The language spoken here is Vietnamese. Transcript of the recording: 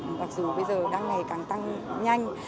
mặc dù bây giờ đang ngày càng tăng nhanh